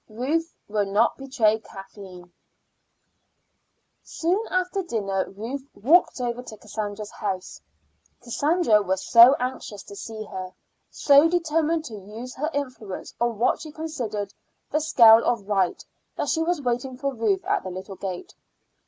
RUTH WILL NOT BETRAY KATHLEEN. Soon after dinner Ruth walked over to Cassandra's house. Cassandra was so anxious to see her, so determined to use her influence on what she considered the scale of right, that she was waiting for Ruth at the little gate.